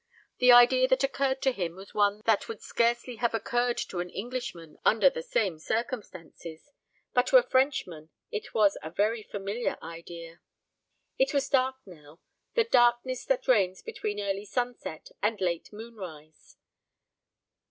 The idea that occurred to him was one that would scarcely have occurred to an Englishman under the same circumstances, but to a Frenchman it was a very familiar idea. It was dark now the darkness that reigns between early sunset and late moonrise.